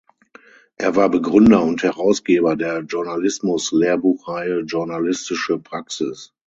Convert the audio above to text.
Er war Begründer und Herausgeber der Journalismus-Lehrbuchreihe Journalistische Praxis.